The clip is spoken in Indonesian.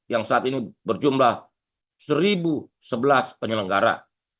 yang saat ini berjumlah satu sebelas penyelenggara